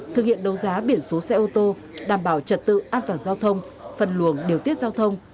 thực hiện đấu giá biển số xe ô tô đảm bảo trật tự an toàn giao thông phân luồng điều tiết giao thông